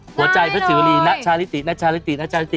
หัวใจพระศรีวรีนะชาลิตินะชาลิตินะชาลิติ